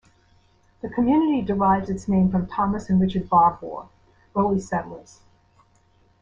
The community derives its name from Thomas and Richard Barbour, early settlers.